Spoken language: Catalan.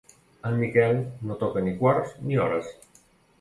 En Miquel no toca ni quarts ni hores.